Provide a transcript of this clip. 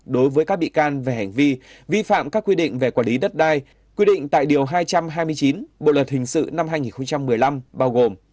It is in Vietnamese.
đối với các bị can về hành vi vi phạm các quy định về quản lý đất đai quy định tại điều hai trăm hai mươi chín bộ luật hình sự năm hai nghìn một mươi năm bao gồm